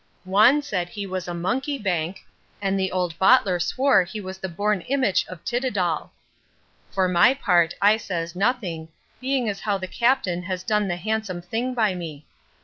Wan said he was a monkey bank; and the ould bottler swore he was the born imich of Titidall. For my part, I says nothing, being as how the captain has done the handsome thing by me.